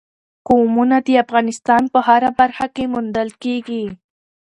قومونه د افغانستان په هره برخه کې موندل کېږي.